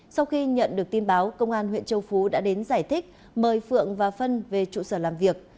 sau khi nhận được tin báo công an huyện châu phú đã đến giải thích mời phượng và phân về trụ sở làm việc